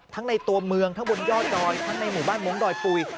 ในตัวเมืองทั้งบนยอดดอยทั้งในหมู่บ้านมงค์ดอยปุ๋ย